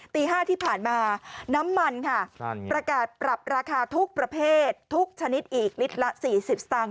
ตี๕ที่ผ่านมาน้ำมันค่ะประกาศปรับราคาทุกประเภททุกชนิดอีกลิตรละ๔๐สตางค